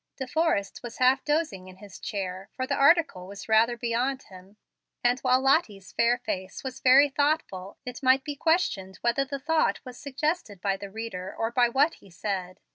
De Forrest was half dozing in his chair, for the article was rather beyond him; and while Lottie's fair face was very thoughtful, it might be questioned whether the thought was suggested by the reader or by what he read.